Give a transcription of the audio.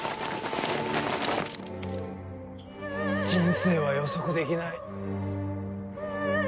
人生は予測できない。